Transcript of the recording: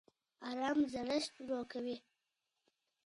ارام زړښت ورو کوي